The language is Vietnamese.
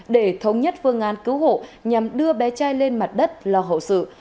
để thống nhất phương án cứu hộ nhằm đưa bé trai lên mặt đất lo hậu sự